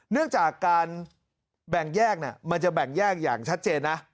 เนื่องจากการแบ่งแยกมันจะแบ่งแยกอย่างชัดเจนนะ